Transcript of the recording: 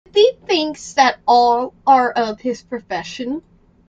The thief thinks that all are of his profession.